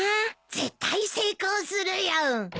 絶対成功するよ。